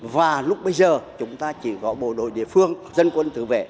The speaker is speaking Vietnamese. và lúc bây giờ chúng ta chỉ có bộ đội địa phương dân quân tự vệ